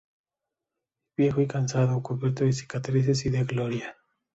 viejo y cansado, cubierto de cicatrices y de gloria